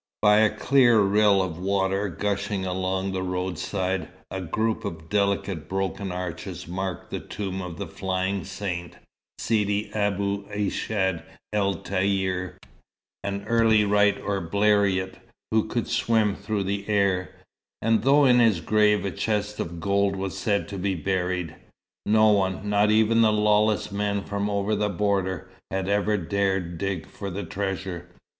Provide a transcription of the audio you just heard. By a clear rill of water gushing along the roadside, a group of delicate broken arches marked the tomb of the "flying saint," Sidi Abou Ishad el Taïyer, an early Wright or Blériot who could swim through the air; and though in his grave a chest of gold was said to be buried, no one not even the lawless men from over the border had ever dared dig for the treasure.